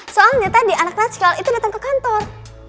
soalnya tadi anak naskah itu datang ke kantor